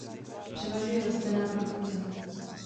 Převažuje rostlinná produkce.